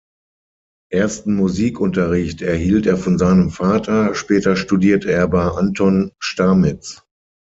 Ersten Musikunterricht erhielt er von seinem Vater, später studierte er bei Anton Stamitz.